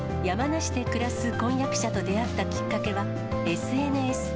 山梨で暮らす婚約者と出会ったきっかけはＳＮＳ。